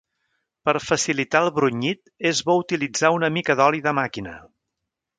Per facilitar el brunyit, és bo utilitzar una mica d'oli de màquina.